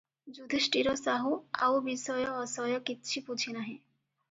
ଯୁଧିଷ୍ଟିର ସାହୁ ଆଉ ବିଷୟ ଅଶୟ କିଛିବୁଝେ ନାହିଁ ।